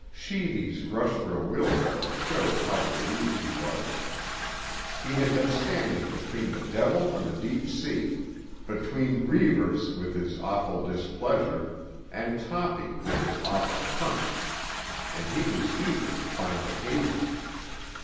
Sheedy's rush for a wheelbarrow showed how relieved he was. He had been standing between the devil and the deep sea—between Reivers with his awful displeasure and Toppy with his awful punch; and he was eager to find a haven.